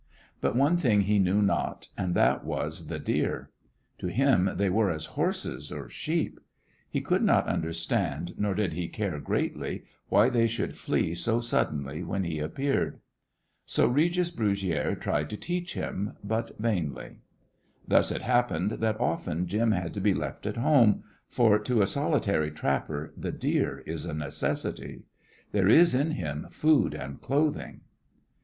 But one thing he knew not, and that was the deer. To him they were as horses or sheep. He could not understand, nor did he care greatly, why they should flee so suddenly when he appeared. So Regis Brugiere tried to teach him, but vainly. Thus it happened that often Jim had to be left at home, for to a solitary trapper the deer is a necessity. There is in him food and clothing.